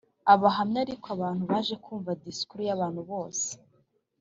Abahamya ariko abantu baje kumva disikuru y abantu bose